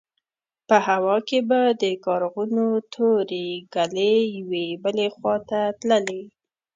په هوا کې به د کارغانو تورې ګلې يوې بلې خوا ته تللې.